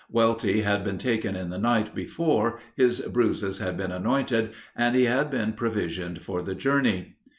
Welty had been taken in the night before, his bruises had been anointed, and he had been provisioned for the journey.